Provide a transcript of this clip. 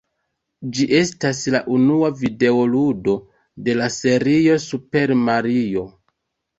Ĝi estas la unua videoludo de la serio "Super Mario".